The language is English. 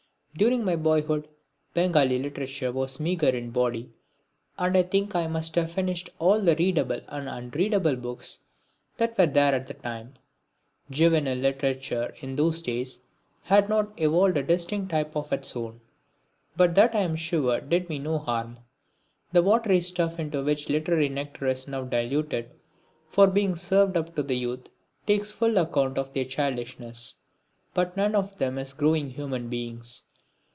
During my boyhood Bengali literature was meagre in body, and I think I must have finished all the readable and unreadable books that there were at the time. Juvenile literature in those days had not evolved a distinct type of its own but that I am sure did me no harm. The watery stuff into which literary nectar is now diluted for being served up to the young takes full account of their childishness, but none of them as growing human beings.